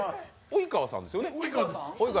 及川さんですよね